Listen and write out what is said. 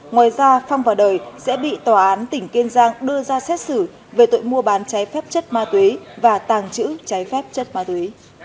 ngoài ra phong vào đời sẽ bị tòa án tỉnh kênh giang đưa ra xét xử về tội mua bán cháy phép chất ma túy và tàng trữ cháy phép chất ma túy